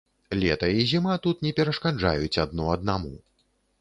Лета і зіма тут не перашкаджаюць адно аднаму.